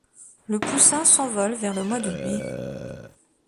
Le poussin s'envole vers le mois de mai.